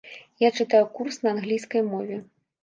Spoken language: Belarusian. Я чытаю курс на англійскай мове.